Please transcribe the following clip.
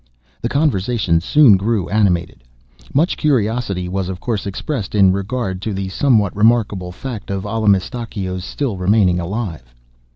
The conversation soon grew animated. Much curiosity was, of course, expressed in regard to the somewhat remarkable fact of Allamistakeo's still remaining alive.